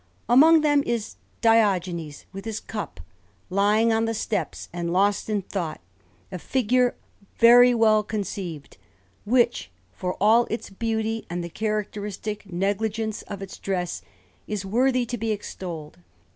Among them is Diogenes with his cup, lying on the steps, and lost in thought, a figure very well conceived, which, for its beauty and the characteristic negligence of its dress, is worthy to be extolled.